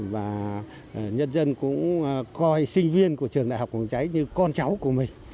và nhân dân cũng coi sinh viên của trường đại học phòng cháy như con cháu của mình